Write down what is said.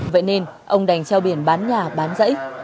vậy nên ông đành treo biển bán nhà bán dãy